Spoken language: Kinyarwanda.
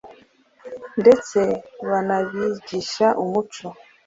ndetse banabigisha umuco